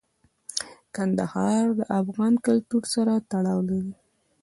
کندهار د افغان کلتور سره تړاو لري.